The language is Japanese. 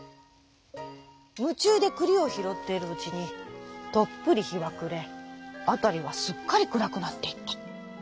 むちゅうでくりをひろっているうちにとっぷりひはくれあたりはすっかりくらくなっていった。